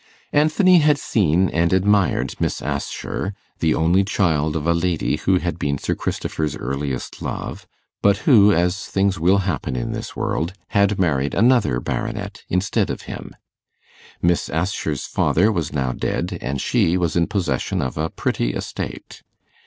Anthony had seen and admired Miss Assher, the only child of a lady who had been Sir Christopher's earliest love, but who, as things will happen in this world, had married another baronet instead of him. Miss Assher's father was now dead, and she was in possession of a pretty estate.